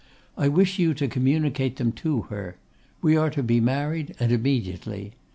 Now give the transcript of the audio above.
I wish you to communicate them to her. We are to be married, and immediately.